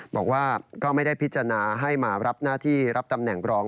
บอกว่าก็ไม่ได้พิจารณาให้มารับหน้าที่รับตำแหน่งรอง